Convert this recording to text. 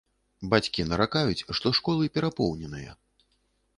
Бацькі наракаюць, што школы перапоўненыя.